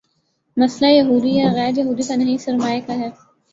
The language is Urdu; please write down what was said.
مسئلہ یہودی یا غیر یہودی کا نہیں، سرمائے کا ہے۔